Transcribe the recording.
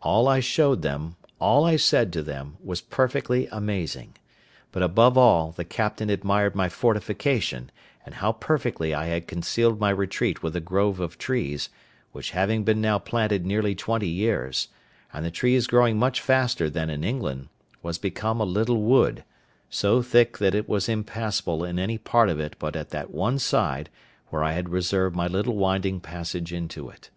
All I showed them, all I said to them, was perfectly amazing; but above all, the captain admired my fortification, and how perfectly I had concealed my retreat with a grove of trees, which having been now planted nearly twenty years, and the trees growing much faster than in England, was become a little wood, so thick that it was impassable in any part of it but at that one side where I had reserved my little winding passage into it.